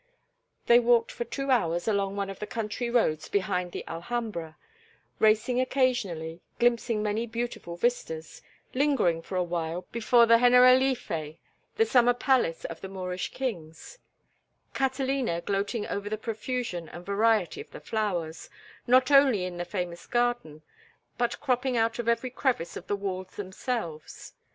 They walked for two hours along one of the country roads behind the Alhambra, racing occasionally, glimpsing many beautiful vistas, lingering for a while before the Generalife, the summer palace of the Moorish kings; Catalina gloating over the profusion and variety of the flowers, not only in the famous garden, but cropping out of every crevice of the walls themselves.